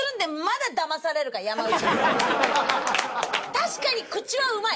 確かに口はうまい。